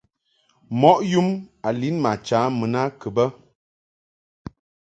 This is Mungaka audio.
Mɔʼ yum a lin ma cha mun a kɨ bɛ.